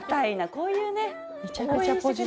こういうね。